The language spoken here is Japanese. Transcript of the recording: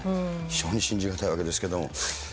非常に信じ難いわけですけれども。